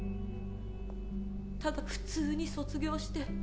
ただ普通に卒業して